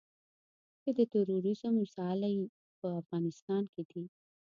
چې د تروریزم ځالې په افغانستان کې دي